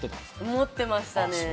持ってましたね。